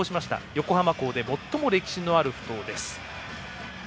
横浜港で最も歴史のあるふ頭です。